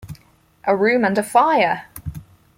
A room and a fire!